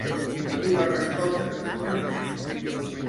Qui va respondre finalment?